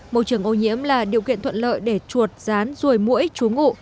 môi trường ô nhiễm là điều kiện thuận lợi để chuột rán ruồi mũi trú ngụ